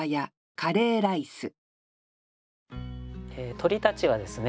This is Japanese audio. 鳥たちはですね